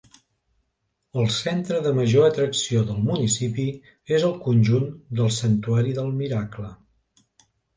El centre de major atracció del municipi és el conjunt del Santuari del Miracle.